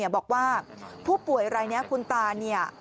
บอกว่าผู้ป่วยอะไรเนี่ยคุณตาเนี่ย